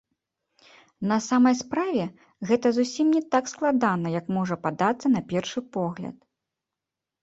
На самай справе, гэта зусім не так складана, як можа падацца на першы погляд.